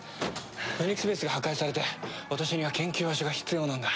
フェニックスベースが破壊されて私には研究場所が必要なんだ。